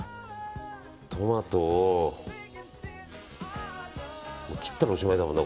トマトを切ったらおしまいだもんな。